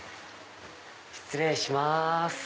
失礼します。